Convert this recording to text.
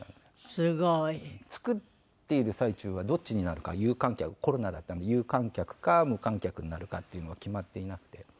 すごい！作っている最中はどっちになるかコロナだったので有観客か無観客になるかっていうのは決まっていなくて。